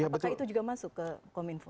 apakah itu juga masuk ke kominfo